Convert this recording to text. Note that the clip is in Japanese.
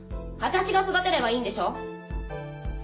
私が育てればいいんでしょ。